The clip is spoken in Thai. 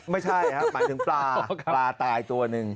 ไม่ใช่ครับหมายถึงปลาปลาตายตัวหนึ่ง